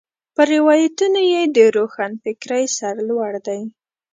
پر روایتونو یې د روښنفکرۍ سر لوړ دی.